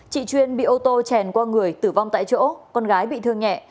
chị chuyên bị ô tô chèn qua người tử vong tại chỗ con gái bị thương nhẹ